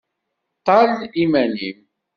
Ṭṭal iman-im.